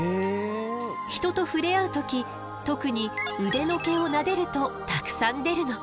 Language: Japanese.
人と触れ合う時特に腕の毛をなでるとたくさん出るの。